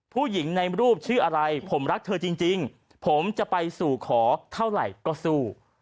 ผู้หญิงในรูปชื่ออะไรผมรักเธอจริงผมจะไปสู่ขอเท่าไหร่ก็สู้